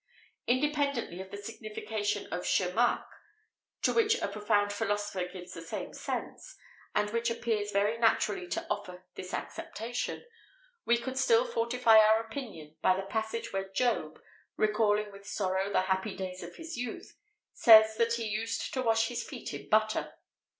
Independently of the signification of chemack, to which a profound philosopher gives the same sense,[XVIII 22] and which appears very naturally to offer this acceptation, we could still fortify our opinion by the passage where Job, recalling with sorrow the happy days of his youth, says, that he used to wash his "feet in butter."